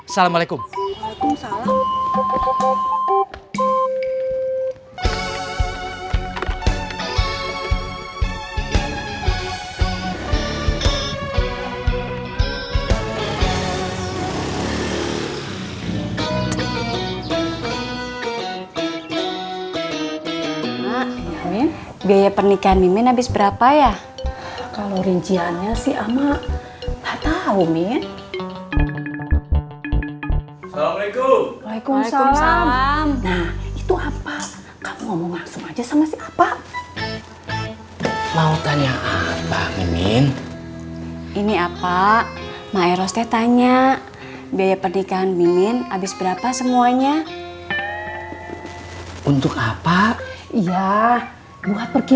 sekarang cece masuk